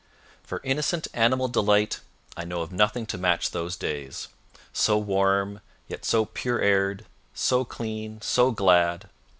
For innocent animal delight, I know of nothing to match those days so warm, yet so pure aired so clean, so glad.